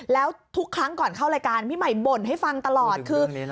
แสมว่าในไกร่เกียจก็ได้